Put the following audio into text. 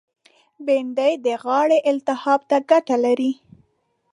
بېنډۍ د غاړې التهاب ته ګټه لري